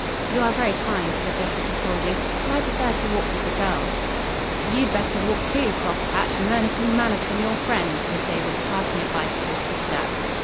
"You are very kind," said Jessica coldly, "but I prefer to walk with the girls." "You'd better walk, too, cross patch, and learn a few manners from your friends," was David's parting advice to his sister.